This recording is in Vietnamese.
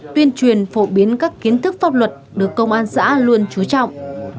tuyên truyền phổ biến các kiến thức pháp luật được công an xã luôn trú trọng